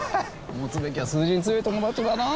持つべきは数字に強い友達だな。